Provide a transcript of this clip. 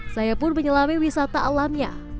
saya pun menyelami wisata alamnya